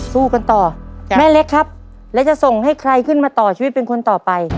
สู้กันต่อแม่เล็กครับแล้วจะส่งให้ใครขึ้นมาต่อชีวิตเป็นคนต่อไป